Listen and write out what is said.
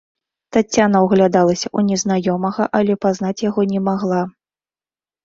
Таццяна ўглядалася ў незнаёмага, але пазнаць яго не магла.